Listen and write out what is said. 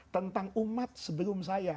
tentang umat sebelum saya